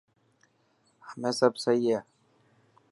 همي سب سهي هي؟